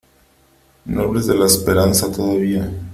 No hables de la esperanza, todavía.